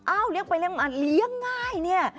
อ้าวเลี้ยงไปเลี้ยงมาเลี้ยงง่าย